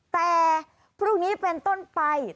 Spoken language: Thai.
แต่พวกนี้เป็นต้นไป